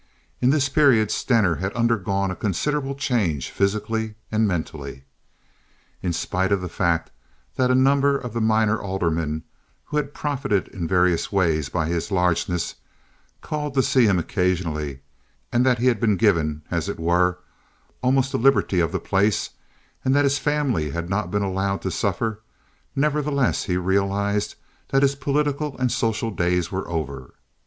In this period Stener had undergone a considerable change physically and mentally. In spite of the fact that a number of the minor aldermen, who had profited in various ways by his largess, called to see him occasionally, and that he had been given, as it were, almost the liberty of the place, and that his family had not been allowed to suffer, nevertheless he realized that his political and social days were over.